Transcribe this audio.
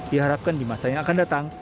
diharapkan di masa yang akan datang